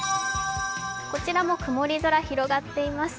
こちらも曇り空、広がっています。